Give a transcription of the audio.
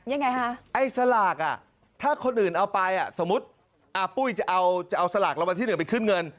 ยังไงฮะไอ้สลากถ้าคนอื่นเอาไปสมมติปุ้ยจะเอาสลากละวันที่หนึ่งไปขึ้นเงิน